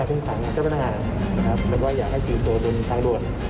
ถึงทางเจ้าพนักงานแบบว่าอยากให้จริงตัวเป็นทางรวด